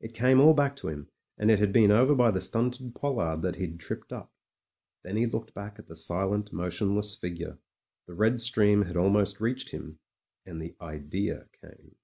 It came all back to him, and it had been over by the stunted pollard that he'd tripped up. Then he looked back at the silent, motionless figure — ^the red stream had almost reached him — and the Idea came.